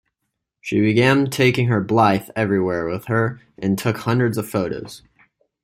She began taking her Blythe everywhere with her and took hundreds of photos.